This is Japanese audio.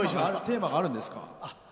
テーマがあるんですか？